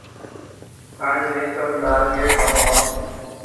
آج ميه سڀ نارِينگِي کاون هون